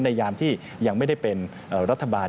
ยามที่ยังไม่ได้เป็นรัฐบาล